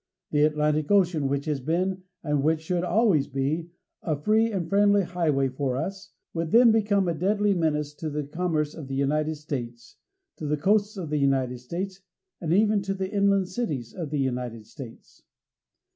The Atlantic Ocean which has been, and which should always be, a free and friendly highway for us would then become a deadly menace to the commerce of the United States, to the coasts of the United States, and even to the inland cities of the United States.